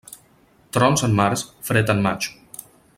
Trons en març, fred en maig.